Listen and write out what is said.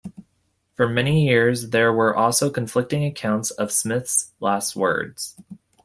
For many years, there were also conflicting accounts of Smith's last words.